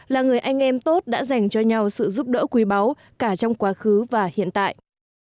là người anh em tốt đã dành cho nhau sự giúp đỡ quý báu cả trong quá khứ và hiện tại